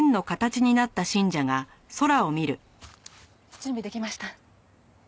準備できました。